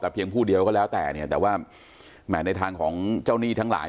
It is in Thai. แต่เพียงผู้เดียวก็แล้วแต่เนี่ยแต่ว่าแหม่ในทางของเจ้าหนี้ทั้งหลาย